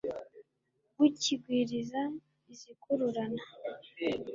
ukigwiriza izikururana